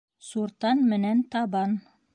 СУРТАН МЕНӘН ТАБАН